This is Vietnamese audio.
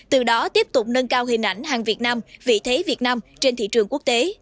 từ đó tiếp tục nâng cao hình ảnh hàng việt nam vị thế việt nam trên thị trường quốc tế